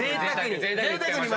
ぜいたくに。